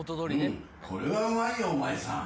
うんこれはうまいよお前さん。